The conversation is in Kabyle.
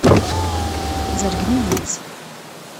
Zergen-iyi-tt.